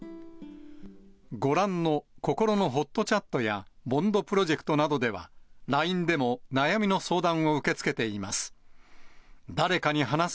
ご覧のこころのほっとチャットや、ＢＯＮＤプロジェクトなどでは、ＬＩＮＥでも悩みの相談を受け付けています。